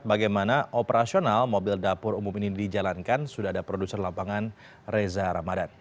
bagaimana operasional mobil dapur umum ini dijalankan sudah ada produser lapangan reza ramadan